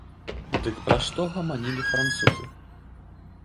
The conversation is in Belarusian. Дык пра што гаманілі французы?